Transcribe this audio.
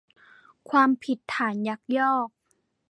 ความผิดฐานยักยอก